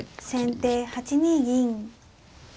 先手８二銀。